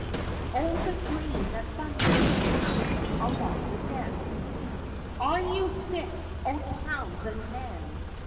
_" [O the green that thunders aft along the deck!] Are you sick o' towns and men?